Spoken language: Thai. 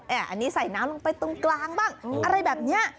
อันนี้ใส่น้ำลงไปตรงกลางบ้างอะไรแบบนี้